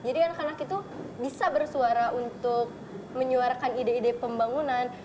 jadi anak anak itu bisa bersuara untuk menyuarakan ide ide pembangunan